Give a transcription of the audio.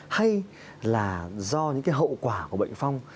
hay là do những cái hậu quả của bệnh phong